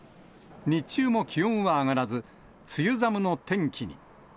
日中も気温は上がらず、梅雨寒の天気に。